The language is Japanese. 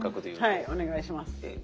はいお願いします。